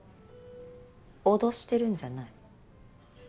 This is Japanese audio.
脅してるんじゃない。